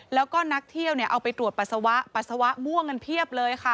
แล้วก็นักเที่ยวเอาไปตรวจปัสสาวะปัสสาวะม่วงกันเพียบเลยค่ะ